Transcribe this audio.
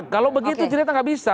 kalau begitu ternyata gak bisa